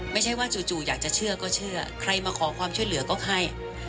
ไม่ใช่ว่าจู่อยากจะเชื่อก็เชื่อใครมาขอความช่วยเหลือก็ให้